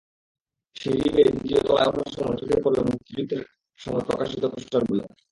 সিঁড়ি বেয়ে দ্বিতীয় তলায় ওঠার সময় চোখে পড়বে মুক্তিযুদ্ধের সময় প্রকাশিত পোস্টারগুলো।